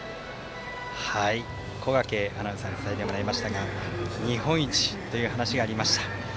小掛アナウンサーに伝えてもらいましたが日本一という話がありました。